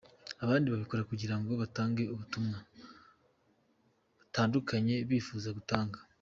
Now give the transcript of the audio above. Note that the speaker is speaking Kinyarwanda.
Abandi babikora kugira ngo batange ubutumwa butandukanye bifuza gutanga.